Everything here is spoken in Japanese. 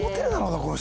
この人。